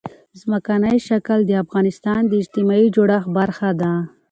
ځمکنی شکل د افغانستان د اجتماعي جوړښت برخه ده.